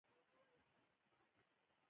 مشرې خور مې څادر په خامکو راته جوړ کړی وو.